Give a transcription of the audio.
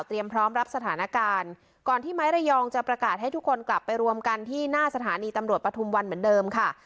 พร้อมรับสถานการณ์ก่อนที่ไม้ระยองจะประกาศให้ทุกคนกลับไปรวมกันที่หน้าสถานีตำรวจปฐุมวันเหมือนเดิมค่ะ